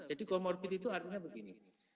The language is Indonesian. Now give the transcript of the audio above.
jadi comorbid itu artinya begini